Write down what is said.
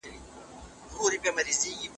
په پنجشېر کې جګړې وشوې.